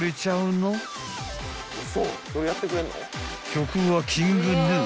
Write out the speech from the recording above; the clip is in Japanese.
［曲はＫｉｎｇＧｎｕ］